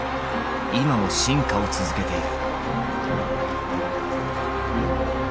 今も進化を続けている。